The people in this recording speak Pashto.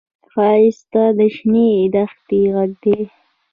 ښایست د شنې دښتې غږ دی